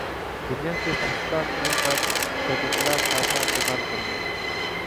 دنیا کے پستہ ترین مرد کھجیندرا تھاپا انتقال کر گئے